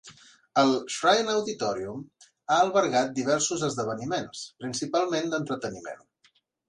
El Shrine Auditorium ha albergat diversos esdeveniments, principalment d'entreteniment.